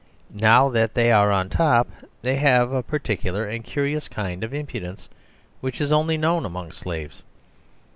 Now that they are on top, they have a particular and curious kind of impudence, which is only known among slaves.